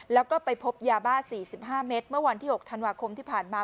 แล้วก็ไปพบยาบ้า๔๕เมตรเมื่อวันที่๖ธันวาคมที่ผ่านมา